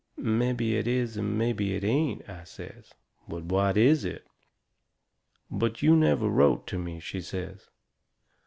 "Mebby it is and mebby it ain't," I says. "But what is it?" "But you never wrote to me," she says.